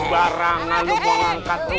barang lu gua angkat rumah